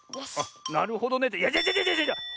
なるほどね。っていやちがうちがうちがう！